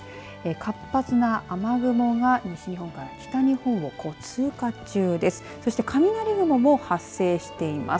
活発な雨雲が西日本から北日本を通過中です。